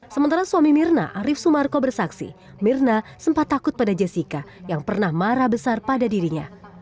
sementara suami mirna arief sumarko bersaksi mirna sempat takut pada jessica yang pernah marah besar pada dirinya